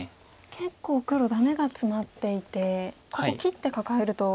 結構黒ダメがツマっていてここ切ってカカえると。